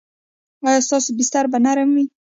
ایا ستاسو بستره به نرمه وي؟